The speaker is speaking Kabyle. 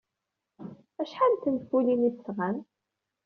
Acḥal n tenfulin ay d-tesɣam?